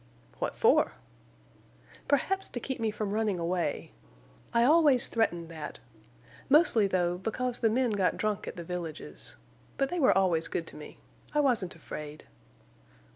"What for?" "Perhaps to keep me from running away. I always threatened that. Mostly, though, because the men got drunk at the villages. But they were always good to me. I wasn't afraid."